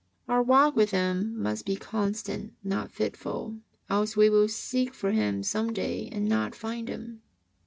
Our walk with Him must be constant, not fitfu), else we will seek for Him some day and not find Him.